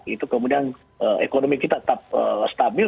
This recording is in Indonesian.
itu kemudian ekonomi kita tetap stabil